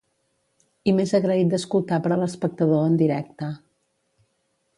I més agraït d’escoltar per a l’espectador en directe.